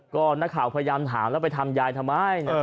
ก็นักข่าวพยายามถามแล้วไปทำยายทำไม